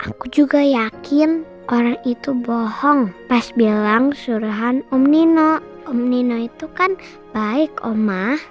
aku juga yakin orang itu bohong pas bilang suruhan om nino om nino itu kan baik omah